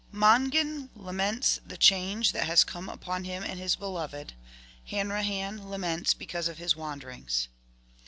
90 MONGAN LAMENTS THE CHANGE THAT HAS COME UPON HIM AND HIS BELOVED. HANRAHAN LAMENTS BECAUSE OF HIS WAN DERINGS.